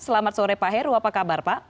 selamat sore pak heru apa kabar pak